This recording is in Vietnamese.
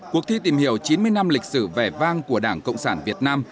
cuộc thi tìm hiểu chín mươi năm lịch sử vẻ vang của đảng cộng sản việt nam